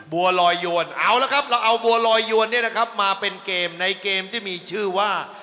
บัวลอยยวนเอาละครับเราเอาบัวลอยยวนเนี่ยนะครับมาเป็นเกมในเกมที่มีชื่อว่า